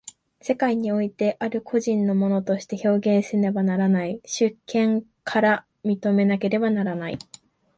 世界においてある個人の物として表現せられねばならない、主権から認められなければならない。